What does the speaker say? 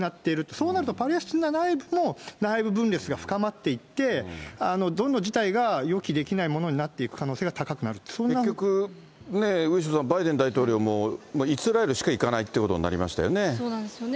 そうなると、パレスチナ内部も内部分裂が深まっていって、どんどん事態が予期できないものになっていく可能性が結局、後呂さん、バイデン大統領も、イスラエルしか行かないってことになりましたそうなんですよね。